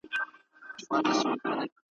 یو خو نه دی را سره دي زر یادونه ,